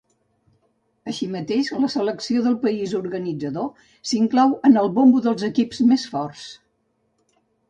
Així mateix la selecció del país organitzador s'inclou en el bombo dels equips més forts.